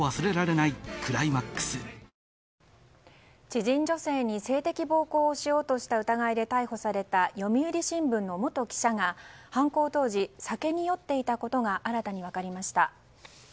知人女性に性的暴行をしようとした疑いで逮捕された読売新聞の元記者が犯行当時、酒に酔っていたことが新たに分かりました。